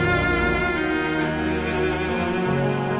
terima kasih udah nonton